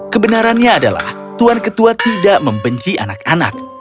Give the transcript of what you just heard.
kebenarannya adalah tuan ketua tidak membenci anak anak